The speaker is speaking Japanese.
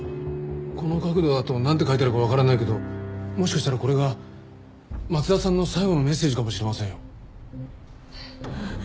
この角度だとなんて書いてあるかわからないけどもしかしたらこれが松田さんの最期のメッセージかもしれませんよ。